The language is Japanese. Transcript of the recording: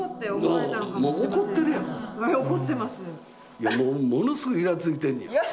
いやものすごいいらついてんのや。